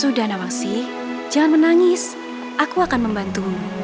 sudah nawangsi jangan menangis aku akan membantumu